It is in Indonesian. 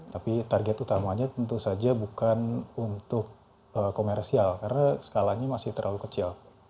tapi target utamanya tentu saja bukan untuk komersial karena skalanya masih terlalu kecil